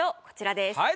こちらです。